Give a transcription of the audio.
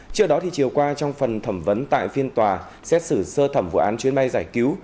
trước đó chiều qua trong phần thẩm vấn tại phiên tòa xét xử sơ thẩm vụ án chuyến bay giải cứu